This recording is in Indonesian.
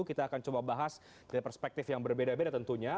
kita akan coba bahas dari perspektif yang berbeda beda tentunya